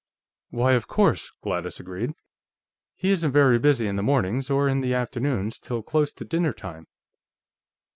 "Why, of course," Gladys agreed. "He isn't very busy in the mornings, or in the afternoons till close to dinner time.